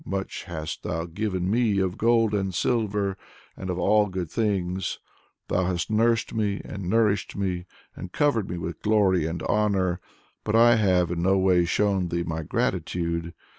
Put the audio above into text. much hast thou given me of gold and of silver, and of all good things; thou hast nursed me, and nourished me, and covered me with glory and honor. But I have in no way shown thee my gratitude.